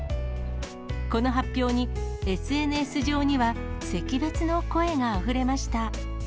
この発表にＳＮＳ上には惜別の声があふれました。